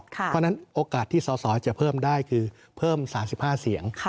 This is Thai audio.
เพราะฉะนั้นโอกาสที่สอสอจะเพิ่มได้คือเพิ่ม๓๕เสียง